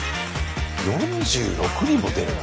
４６人も出るの？